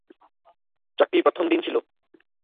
চাকরির প্রথম দিন ছিল।